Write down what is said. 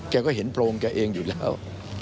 แกก็เห็นโพรงแกเองอยู่แล้ว